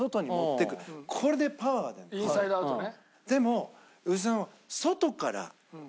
インサイドアウトね。